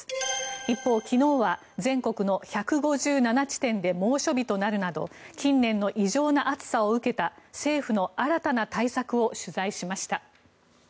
一方、昨日は全国の１５７地点で猛暑日となるなど近年の異常な暑さを受けた政府の新たな対策を取材しました。